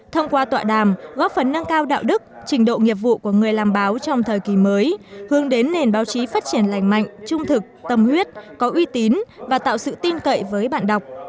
thông qua tọa đàm góp phần nâng cao đạo đức trình độ nghiệp vụ của người làm báo trong thời kỳ mới hướng đến nền báo chí phát triển lành mạnh trung thực tâm huyết có uy tín và tạo sự tin cậy với bạn đọc